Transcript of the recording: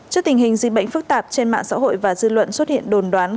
trước tình hình dịch bệnh phức tạp trên mạng xã hội và dư luận xuất hiện đồn đoán